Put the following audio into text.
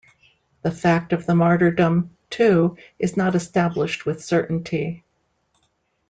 The fact of the martyrdom, too, is not established with certainty.